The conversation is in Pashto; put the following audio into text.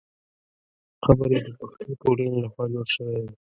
قبر یې د پښتو ټولنې له خوا جوړ شوی دی.